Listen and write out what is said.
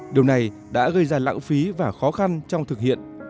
điều này đã gây ra lãng phí và khó khăn trong thực hiện